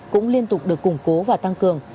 cũng liên tục được củng cố và tăng cường